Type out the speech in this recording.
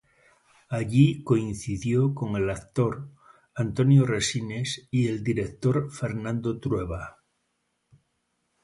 Allí coincidió con el actor Antonio Resines y el director Fernando Trueba.